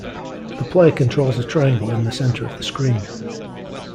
The player controls a triangle in the center of the screen.